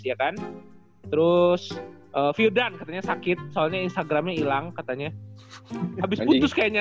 ya kan terus viewdan katanya sakit soalnya instagramnya hilang katanya habis putus kayaknya